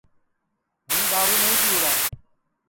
ہُوں دؔارُو نائی پِیوڑا